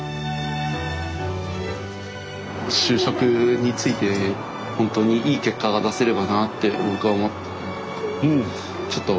就職についてほんとにいい結果が出せればなって僕は思って。